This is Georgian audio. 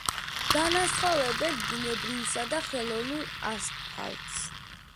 განასხვავებენ ბუნებრივსა და ხელოვნურ ასფალტს.